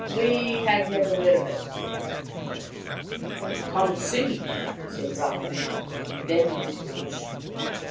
" We have never heard of it." Rata 165 " Come and see," said Rata. He led them into the bush.